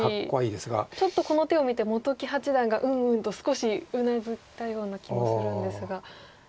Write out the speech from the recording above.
ちょっとこの手を見て本木八段がうんうんと少しうなずいたような気もするんですが。